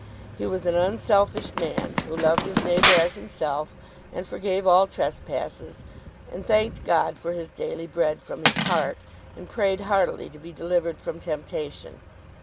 He was an unselfish man, who loved his neighbour as himself, and forgave all trespasses, and thanked God for his daily bread from his heart, and prayed heartily to be delivered from temptation.